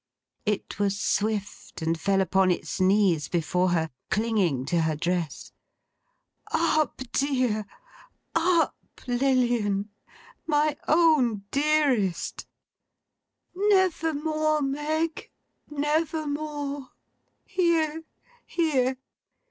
It was swift, and fell upon its knees before her: clinging to her dress. 'Up, dear! Up! Lilian! My own dearest!' 'Never more, Meg; never more! Here! Here!